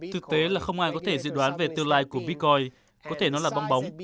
thực tế là không ai có thể dự đoán về tương lai của bitcoin có thể nó là bong bóng